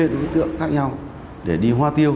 đối tượng khác nhau để đi hoa tiêu